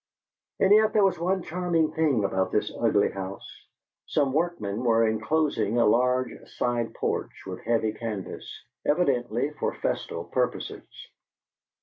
And yet there was one charming thing about this ugly house. Some workmen were enclosing a large side porch with heavy canvas, evidently for festal purposes.